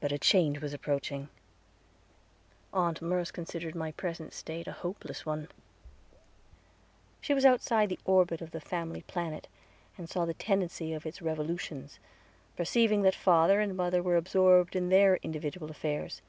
But a change was approaching. Aunt Merce considered my present state a hopeless one. She was outside the orbit of the family planet, and saw the tendency of its revolutions, perceiving that father and mother were absorbed in their individual affairs.